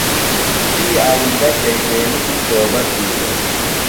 تی آیئندہ شیطینیۡ دی توبہ تِھیلوۡ۔